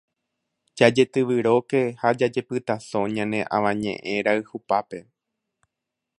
Jajetyvyróke ha jajepytaso ñane Avañeʼẽ rayhupápe.